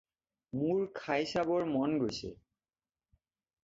মোৰ খাই চাবৰ মন গৈছে।